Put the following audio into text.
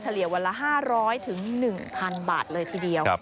เลียวันละ๕๐๐๑๐๐บาทเลยทีเดียว